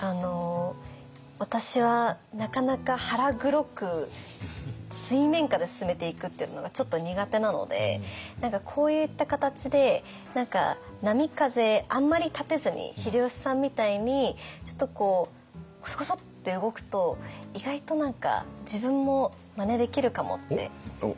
私はなかなか腹黒く水面下で進めていくっていうのがちょっと苦手なのでこういった形で波風あんまり立てずに秀吉さんみたいにちょっとこうコソコソって動くと意外と自分もまねできるかもって。